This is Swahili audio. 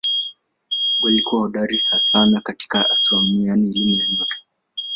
Walikuwa hodari sana katika astronomia yaani elimu ya nyota.